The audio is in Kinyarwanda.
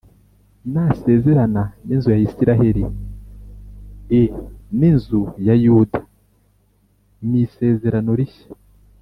nzasezerana n inzu ya Isirayeli l n inzu ya Yuda m isezerano rishya